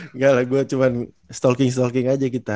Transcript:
enggak lah gue cuman stalking stalking aja kita